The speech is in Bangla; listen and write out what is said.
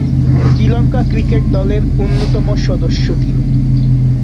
শ্রীলঙ্কা ক্রিকেট দলের অন্যতম সদস্য তিনি।